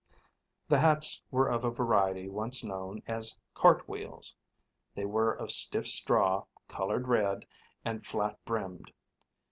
The hats were of a variety once known as "cart wheels." They were of stiff straw, colored red, and flat brimmed.